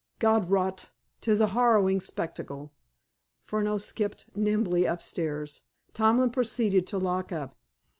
God wot, 'tis a harrowing spectacle." Furneaux skipped nimbly upstairs. Tomlin proceeded to lock up.